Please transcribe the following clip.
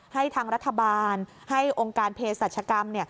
ให้ทางรัฐบาลให้องค์การเพศรัชกรรม